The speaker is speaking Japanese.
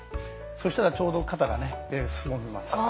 そしたらちょうど肩がすぼみます。